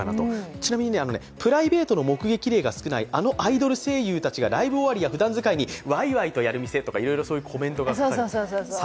ちなみにプライベートの目撃例が少ないあのアイドル声優たちがライブ終わりやふだん使いにわいわいとやる店とか、そういうコメントが書かれていて。